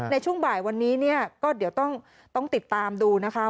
ในช่วงบ่ายวันนี้เนี่ยก็เดี๋ยวต้องติดตามดูนะคะ